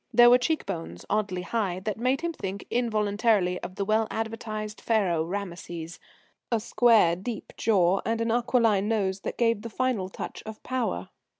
There were cheek bones, oddly high, that made him think involuntarily of the well advertised Pharaoh, Ramases; a square, deep jaw; and an aquiline nose that gave the final touch of power.